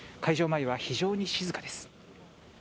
前は非常に静かです。